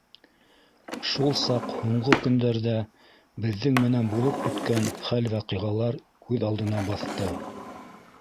Шул саҡ һуңғы көндәрҙә беҙҙең менән булып үткән хәл-ваҡиғалар күҙ алдына баҫты.